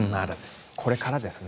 これからですね。